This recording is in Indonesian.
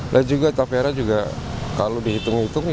juga tapera juga kalau dihitung hitung